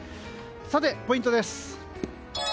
さて、ポイントです。